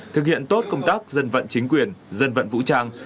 thực hiện tốt công tác dân vận chính quyền dân vận vũ trang